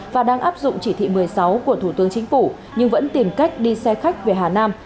và đang áp dụng chỉ thị một mươi sáu của thủ tướng chính phủ nhưng vẫn tìm cách đi xe khách về hà nam